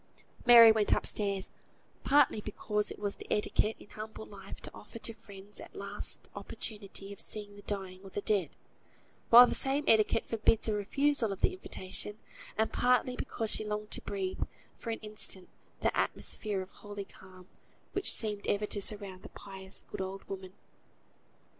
Mary went up stairs: partly because it is the etiquette in humble life to offer to friends a last opportunity of seeing the dying or the dead, while the same etiquette forbids a refusal of the invitation; and partly because she longed to breathe, for an instant, the atmosphere of holy calm, which seemed ever to surround the pious good old woman.